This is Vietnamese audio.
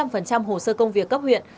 và sáu mươi năm hồ sơ công việc cấp huyện